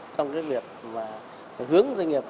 trong việc hướng doanh nghiệp